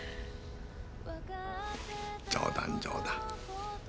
冗談冗談。